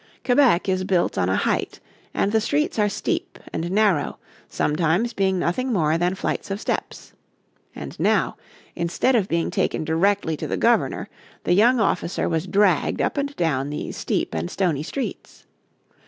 Quebec is built on a height, and the streets are steep and narrow, sometimes being nothing more than flights of steps. And now, instead of being taken directly to the Governor, the young officer was dragged up and down these steep and stony streets.